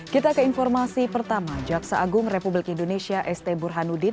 kita ke informasi pertama jaksa agung republik indonesia st burhanuddin